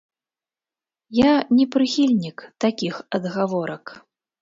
Я не прыхільнік такіх адгаворак.